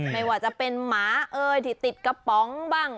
ไม่ว่าจะเป็นหมาเอ้ยที่ติดกระป๋องบ้าง